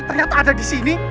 tidak ada yang mencari